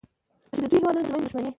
چې د دوو هېوادونو ترمنځ دوښمني